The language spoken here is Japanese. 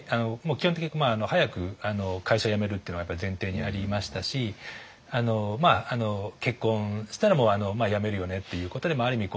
基本的に早く会社を辞めるっていうのが前提にありましたし結婚したら辞めるよねっていうことである意味